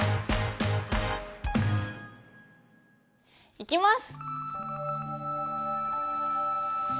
いきます！